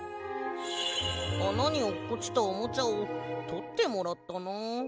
あなにおっこちたおもちゃをとってもらったな。